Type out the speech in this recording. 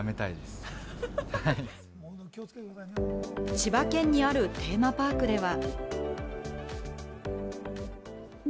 千葉県にあるテーマパークでは。